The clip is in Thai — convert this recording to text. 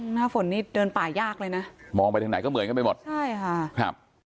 หน้าฝนนี่เดินป่ายากเลยนะมองไปทางไหนก็เหมือนกันไปหมดใช่ค่ะครับ